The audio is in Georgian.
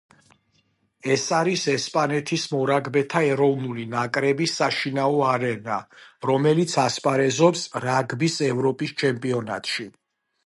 ის არის ესპანეთის მორაგბეთა ეროვნული ნაკრების საშინაო არენა, რომელიც ასპარეზობს რაგბის ევროპის ჩემპიონატში.